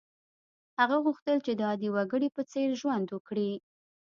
هغه غوښتل چې د عادي وګړي په څېر ژوند وکړي.